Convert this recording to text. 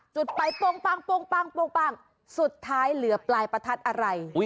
จุดไปโป้งสุดท้ายเหลือปลายประทัดอะไร